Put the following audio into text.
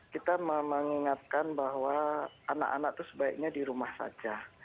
kita mengingatkan bahwa anak anak itu sebaiknya di rumah saja